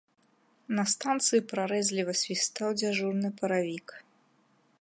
На станцыі прарэзліва свістаў дзяжурны паравік.